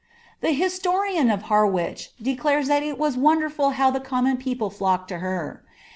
The historian of Harwich declares that it was wonderful how the ommon people flocked to her.